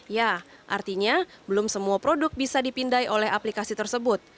ya artinya belum semua produk bisa dipindai oleh aplikasi tersebut